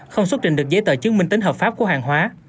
không xuất trình được giấy tờ chứng minh tính hợp pháp của hàng hóa